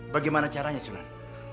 bagaimana caranya sunan